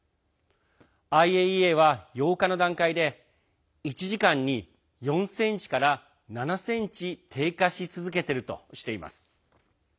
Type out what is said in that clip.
ＩＡＥＡは８日の段階で１時間に４ｃｍから７ｃｍ低下し続けているとしています。